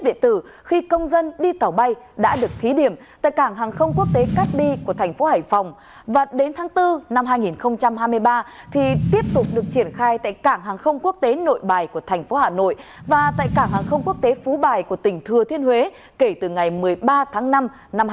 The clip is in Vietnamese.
và tại cảng hàng không quốc tế phú bài của tỉnh thừa thiên huế kể từ ngày một mươi ba tháng năm năm hai nghìn hai mươi ba